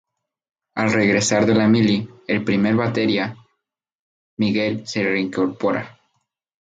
Al regresar de la mili, el primer batería, Miguel, se reincorpora.